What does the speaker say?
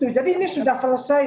jadi ini sudah selesai